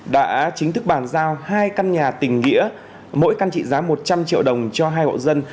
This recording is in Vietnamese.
đã chính thức bàn giao hai căn nhà tình nghĩa mỗi căn trị giá một trăm linh triệu đồng cho hai hộ dân